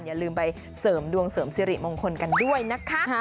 อย่าลืมไปเสริมดวงเสริมสิริมงคลกันด้วยนะคะ